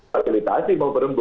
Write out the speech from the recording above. fakultasi mau berembuk